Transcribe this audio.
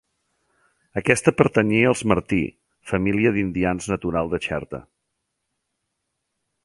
Aquesta pertanyia als Martí, família d'indians natural de Xerta.